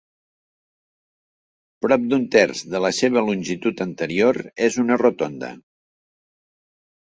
Prop d'un terç de la seva longitud anterior és una rotonda.